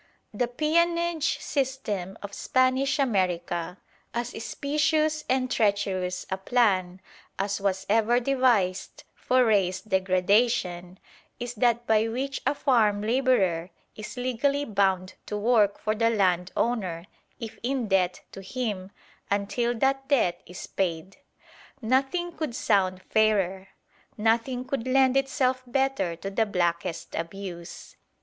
The peonage system of Spanish America, as specious and treacherous a plan as was ever devised for race degradation, is that by which a farm labourer is legally bound to work for the land owner, if in debt to him, until that debt is paid. Nothing could sound fairer: nothing could lend itself better to the blackest abuse.